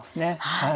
はい。